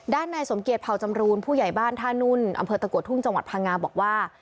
นายสมเกียจเผาจำรูนผู้ใหญ่บ้านท่านุ่นอำเภอตะกัวทุ่งจังหวัดพังงาบอกว่า